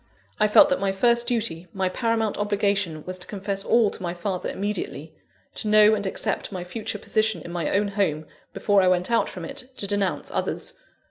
I felt that my first duty, my paramount obligation, was to confess all to my father immediately; to know and accept my future position in my own home, before I went out from it to denounce others.